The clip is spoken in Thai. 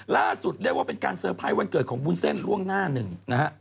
เรียกว่าเป็นการเตอร์ไพรส์วันเกิดของวุ้นเส้นล่วงหน้าหนึ่งนะฮะ